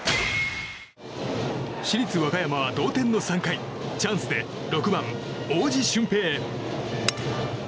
市立和歌山は同点の３回チャンスで６番、大路隼平。